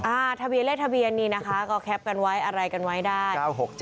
อ่าทะเบียนนี่นะคะก็แคปกันไว้อะไรกันไว้ได้